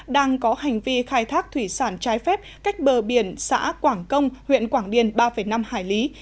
đang có hành vi khai thác thủy sản trái phép cách bờ biển xã quảng công huyện quảng điền ba năm hải lý